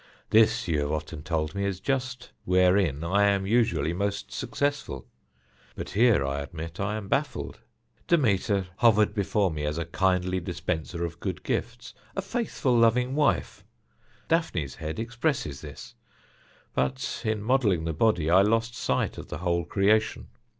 This, you have often told me, is just wherein I am usually most successful. But here, I admit, I am baffled. Demeter hovered before me as a kindly dispenser of good gifts, a faithful, loving wife. Daphne's head expresses this; but in modelling the body I lost sight of the whole creation.